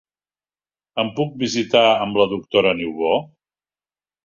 Em puc visitar amb la doctora Niubó?